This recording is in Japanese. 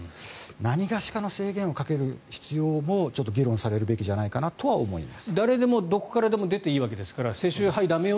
なにがしかの制限をかける必要もちょっと議論されるべきじゃないかなとは思います。